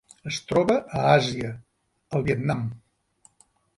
Es troba a Àsia: el Vietnam.